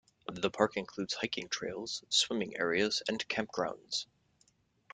The park includes hiking trails, swimming areas and campgrounds.